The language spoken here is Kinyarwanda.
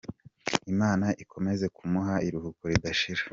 Imana Ikomeze Kumuha Iruhuko Ridashira ..